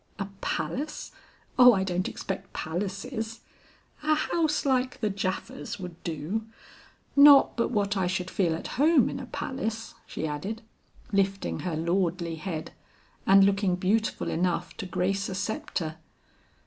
"'A palace! Oh, I don't expect palaces; a house like the Japhas' would do. Not but what I should feel at home in a palace,' she added, lifting her lordly head and looking beautiful enough to grace a sceptre.